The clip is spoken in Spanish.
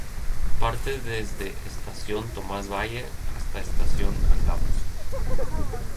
Parte desde Estación Tomás Valle hasta Estación Angamos.